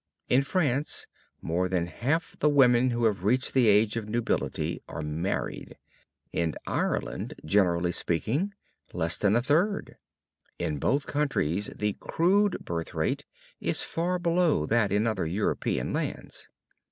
In France, more than half the women who have reached the age of nubility are married; in Ireland, generally speaking, less than a third. In both countries the crude birth rate is far below that in other European lands.